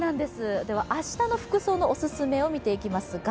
明日の服装のおすすめを見ていきますが。